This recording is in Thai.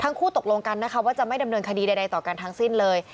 คู่ตกลงกันนะคะว่าจะไม่ดำเนินคดีใดต่อกันทั้งสิ้นเลย